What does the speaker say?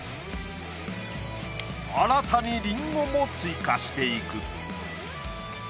新たにりんごも追加していく。